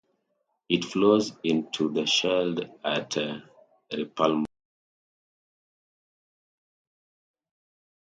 It flows into the Scheldt at Rupelmonde.